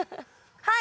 はい！